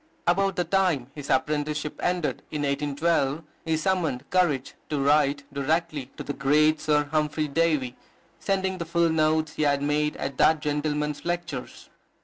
About the time his apprenticeship ended, in 1812, he summoned courage to write directly to the great Sir Humphry Davy, sending the full notes he had made at that gentleman's lectures.